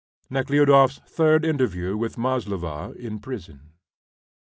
NEKHLUDOFF'S THIRD INTERVIEW WITH MASLOVA IN PRISON.